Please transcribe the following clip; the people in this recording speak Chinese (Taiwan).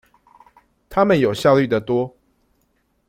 他們有效率的多